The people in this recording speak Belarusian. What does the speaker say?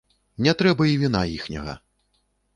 Не трэба і віна іхняга!